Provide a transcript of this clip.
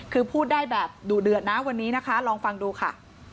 คือพูดได้แบบดุเดือดนะวันนี้นะคะลองฟังดูค่ะ